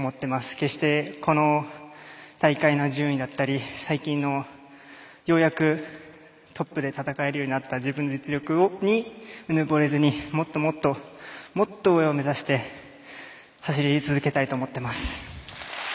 決して、この大会の順位だったり最近のようやくトップで戦えるようになった自分の実力に、うぬぼれずにもっともっともっと上を目指して走り続けたいと思っています。